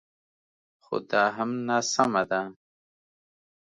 خو دا هم ناسمه ده